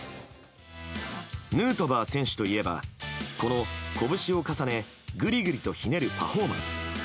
ヌートバー選手といえばこの拳を重ねグリグリとひねるパフォーマンス。